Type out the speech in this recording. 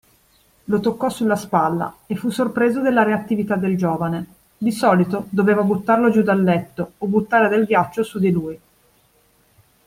Lo toccò sulla spalla, e fu sorpreso della reattività del giovane: di solito, doveva buttarlo giù dal letto, o buttare del ghiaccio su di lui.